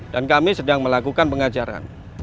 dan kami sedang melakukan pengajaran